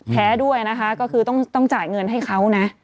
แพ้ด้วยนะคะก็คือต้องจ่ายเงินให้เขานะ